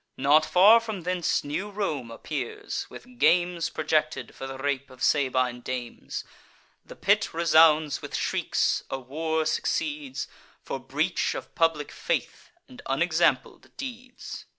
Not far from thence new Rome appears, with games Projected for the rape of Sabine dames. The pit resounds with shrieks; a war succeeds, For breach of public faith, and unexampled deeds.